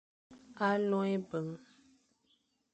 Alo ebyen,